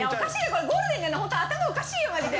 これゴールデンなのにホント頭おかしいよマジで。